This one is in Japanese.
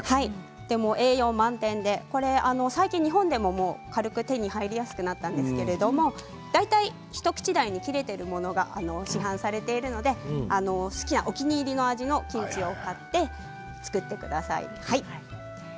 栄養満点で最近日本でも軽く手に入りやすくなったんですけれども大体一口大に切れているものが市販されているのでお気に入りの味のキムチを買って作ってください。